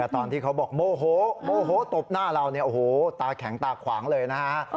ตอนที่เขาบอกโมโหโมโหตบหน้าเราเนี่ยโอ้โหตาแข็งตาขวางเลยนะฮะ